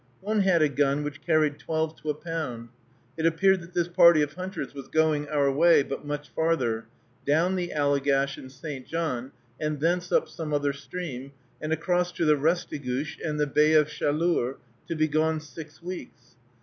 One had a gun which carried twelve to a pound. It appeared that this party of hunters was going our way, but much farther, down the Allegash and St. John, and thence up some other stream, and across to the Restigouche and the Bay of Chaleur, to be gone six weeks.